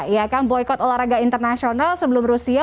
ya kan boykot olahraga internasional sebelum rusia